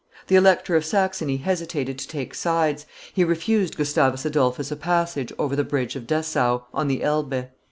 The Elector of Saxony hesitated to take sides; he refused Gustavus Adolphus a passage over the bridge of Dessau, on the Elbe.